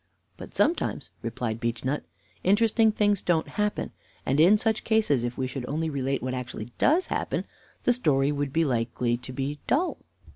"But sometimes," replied Beechnut, "interesting things don't happen, and in such cases, if we should only relate what actually does happen, the story would be likely to be dull."